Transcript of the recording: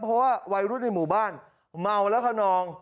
เพราะว่าวัยรุ่นในหมู่บ้านเมาแล้วขนอง